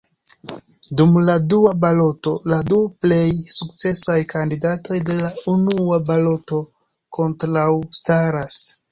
Dum la dua baloto la du plej sukcesaj kandidatoj de la unua baloto kontraŭstaras.